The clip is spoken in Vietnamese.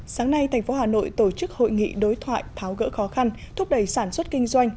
sáng nay tp hà nội tổ chức hội nghị đối thoại tháo gỡ khó khăn thúc đẩy sản xuất kinh doanh